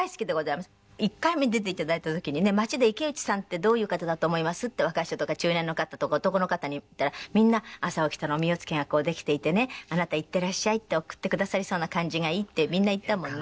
１回目出ていただいた時にね街で「池内さんってどういう方だと思います？」って若い人とか中年の方とか男の方に言ったらみんな朝起きたらおみおつけができていてね「あなたいってらっしゃい」って送ってくださりそうな感じがいいってみんな言ったもんね。